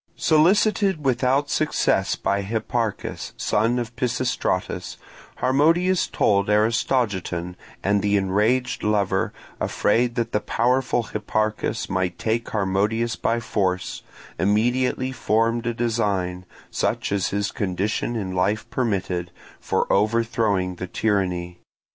Solicited without success by Hipparchus, son of Pisistratus, Harmodius told Aristogiton, and the enraged lover, afraid that the powerful Hipparchus might take Harmodius by force, immediately formed a design, such as his condition in life permitted, for overthrowing the tyranny.